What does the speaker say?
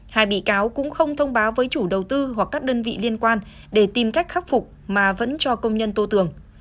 hai bị cáo cũng không thông báo với chủ đầu tư hoặc các đơn vị liên quan để tìm cách khắc phục mà vẫn cho công nhân tô tường